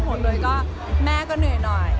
หมดเลยก็แม่ก็เหนื่อยหน่อย